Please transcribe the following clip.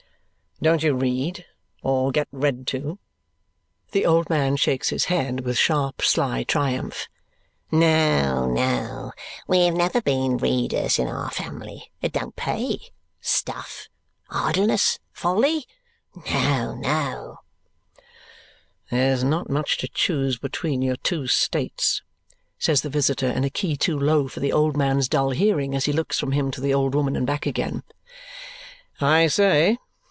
"Don't you read or get read to?" The old man shakes his head with sharp sly triumph. "No, no. We have never been readers in our family. It don't pay. Stuff. Idleness. Folly. No, no!" "There's not much to choose between your two states," says the visitor in a key too low for the old man's dull hearing as he looks from him to the old woman and back again. "I say!"